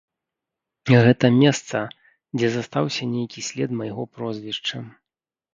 Гэта месца, дзе застаўся нейкі след майго прозвішча.